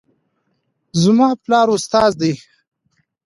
زما پلار استاد ده